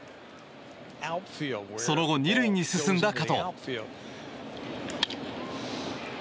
その後、２塁に進んだ加藤。